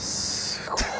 すごい！